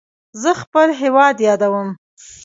زه خپل هیواد یادوم.